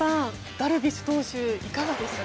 ダルビッシュ投手いかがでしたか？